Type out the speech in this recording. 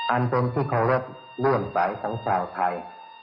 อันตนที่เคารุ่นไสทั้งชาวไทย